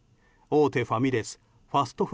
大手ファミレス